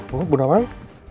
bu bunda wang